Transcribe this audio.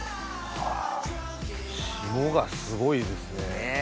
霜がすごいですね。ねぇ！